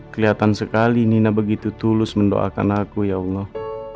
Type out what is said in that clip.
kelihatan sekali nina begitu tulus mendoakan aku ya allah